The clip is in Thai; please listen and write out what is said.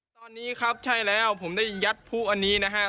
ตอนนี้ครับใช่แล้วผมได้ยัดผู้อันนี้นะครับ